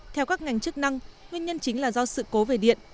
theo các ngành chức năng nguyên nhân chính là do sự cố về điện